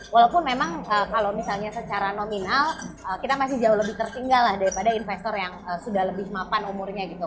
walaupun memang kalau misalnya secara nominal kita masih jauh lebih tertinggal lah daripada investor yang sudah lebih mapan umurnya gitu